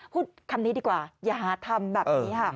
พูดคำนี้ดีกว่าอย่าหาทำแบบนี้ค่ะ